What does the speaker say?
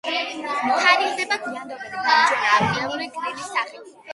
თარიღდება გვიანდელი ბრინჯაო-ადრინდელი რკინის ხანით.